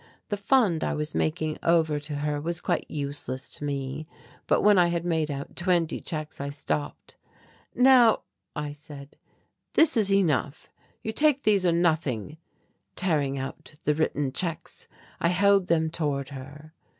The fund I was making over to her was quite useless to me but when I had made out twenty checks I stopped. "Now," I said, "this is enough. You take these or nothing." Tearing out the written checks I held them toward her.